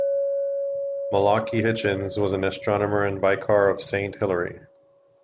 Malachy Hitchins was an astronomer and Vicar of Saint Hilary.